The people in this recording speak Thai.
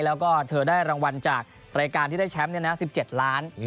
แล้วก็เธอได้รางวัลจากรายการที่ได้แชมป์๑๗ล้าน